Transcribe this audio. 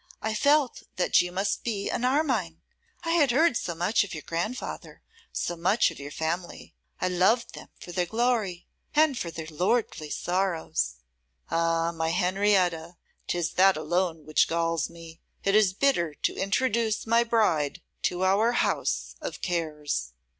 I felt that you must be an Armine. I had heard so much of your grandfather, so much of your family. I loved them for their glory, and for their lordly sorrows.' 'Ah! my Henrietta, 'tis that alone which galls me. It is bitter to introduce my bride to our house of cares.